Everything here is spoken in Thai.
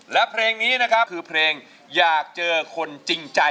และเพลงนี้นะครับคือเพลงอยากเจอคนจริงใจ